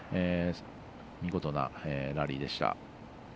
見事なラリーでした。